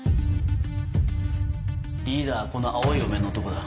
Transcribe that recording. リーダーはこの青いお面の男だ。